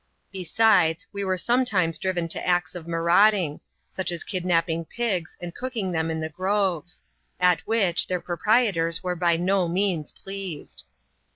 Besides, we were sometimes driven to acts of marauding : such as kidnapping pigs, and cooking them in the groves ; at which their proprietors were by no means pleased.